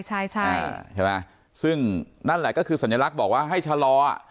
ใช่ใช่ใช่ไหมซึ่งนั่นแหละก็คือสัญลักษณ์บอกว่าให้ชะลอ